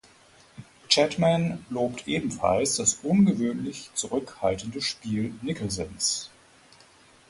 Chatman lobt ebenfalls das ungewöhnlich zurückhaltende Spiel Nicholsons.